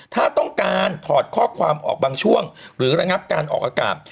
ถ้าต้องการถอดข้อความออกบางช่วงหรือระงับการออกอากาศ